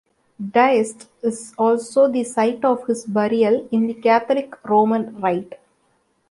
Diest is also the site of his burial in the Catholic Roman Rite.